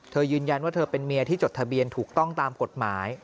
ยืนยันว่าเธอเป็นเมียที่จดทะเบียนถูกต้องตามกฎหมาย